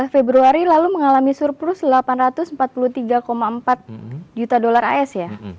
februari lalu mengalami surplus delapan ratus empat puluh tiga empat juta dolar as ya